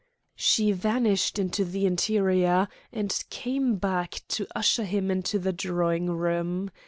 She vanished into the interior, and came back to usher him into the drawing room.